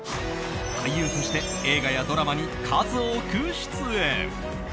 俳優として映画やドラマに数多く出演。